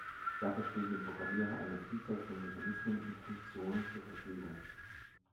Dafür stehen dem Programmierer eine Vielzahl von Mechanismen und Funktionen zur Verfügung.